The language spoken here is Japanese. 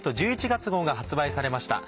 １１月号が発売されました。